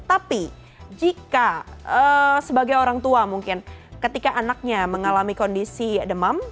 tapi jika sebagai orang tua mungkin ketika anaknya mengalami kondisi demam